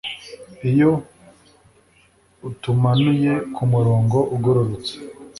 Iyo utumanuye kumurongo ugororotse